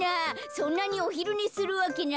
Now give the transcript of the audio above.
そんなにおひるねするわけないじゃない。